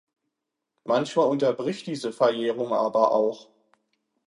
Manchmal unterbricht diese Verjährung aber auch.